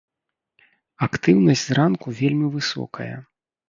Актыўнасць зранку вельмі высокая.